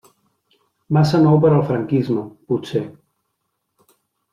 Massa nou per al franquisme, potser.